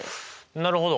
なるほど。